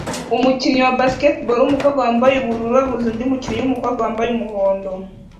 Umukinnyi wa basketball wumukobwa wambaye ubururu abuza undi mukinnyi wumukobwa wambaye umuhondo